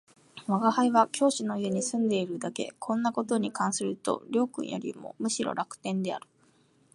吾輩は教師の家に住んでいるだけ、こんな事に関すると両君よりもむしろ楽天である